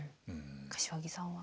柏木さんは？